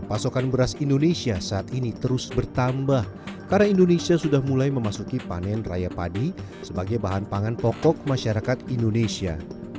pasokan beras indonesia saat ini terus bertambah karena indonesia sudah mulai memasuki panen raya padi sebagai bahan pangan pokok masyarakat indonesia